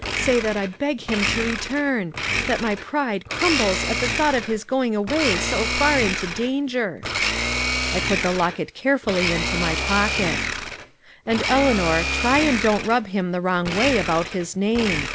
Say that I beg him to return that my pride crumbles at the thought of his going away so far into danger." I put the locket carefully into my pocket. "And, Eleanor, try and don't rub him the wrong way about his name.